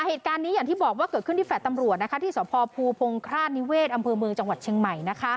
เหตุการณ์นี้อย่างที่บอกว่าเกิดขึ้นที่แฟลต์ตำรวจที่สพภูพงฆราชนิเวศอำเภอเมืองจังหวัดเชียงใหม่